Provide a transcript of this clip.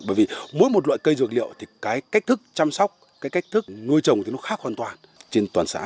bởi vì mỗi một loại cây dược liệu thì cái cách thức chăm sóc cái cách thức nuôi trồng thì nó khác hoàn toàn trên toàn xã